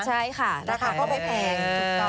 ใช่ค่ะราคาก็ไม่แพง